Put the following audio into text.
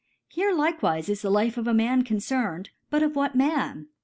* Here likewife is the Life of a Man con cerned ; but of what Man